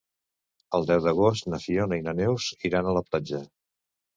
El deu d'agost na Fiona i na Neus iran a la platja.